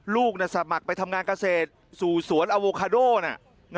ลูกสมัครไปทำงานเกษตรสู่สวนอโวคาโดน